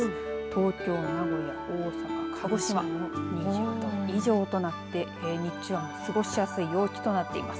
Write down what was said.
東京、名古屋、大阪、鹿児島２０度以上となって、日中は過ごしやすい陽気となっています。